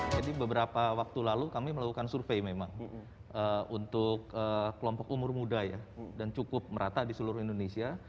jadi beberapa waktu lalu kami melakukan survei memang untuk kelompok umur muda ya dan cukup merata di seluruh indonesia